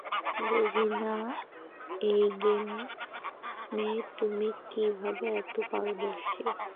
বুঝি না এই গেমে তুমি কীভাবে এত পারদর্শী।